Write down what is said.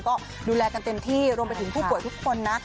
ก็ดูแลกันเต็มที่รวมไปถึงผู้ป่วยทุกคนนะ